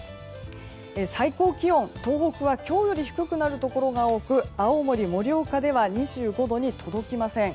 最高気温、東北は今日より低くなるところが多く青森、盛岡では２５度に届きません。